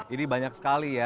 ini banyak sekali ya